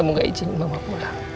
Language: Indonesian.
kamu tidak izinkan mama pulang